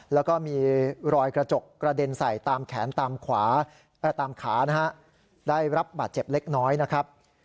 แล้วก็มีรอยกระจกกระเด็นใส่ตามแขนตามขานะฮะได้รับบาดเจ็บเล็กน้อยนะครับ